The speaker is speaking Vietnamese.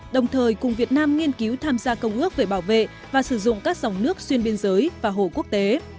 đồng thời cùng việt nam nghiên cứu tham gia công ước về bảo vệ và sử dụng các dòng nước xuyên biên giới và hồ quốc tế